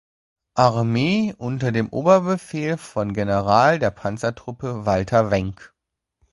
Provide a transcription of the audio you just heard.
Armee unter dem Oberbefehl von General der Panzertruppe Walther Wenck.